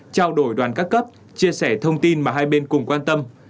trao đổi đoàn các cấp chia sẻ thông tin mà hai bên cùng quan tâm